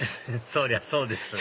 そりゃそうです